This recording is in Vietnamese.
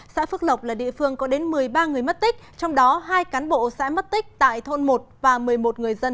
xã phước lộc là địa phương có đến một mươi ba người mất tích trong đó hai cán bộ xã mất tích tại thôn một và một mươi một người dân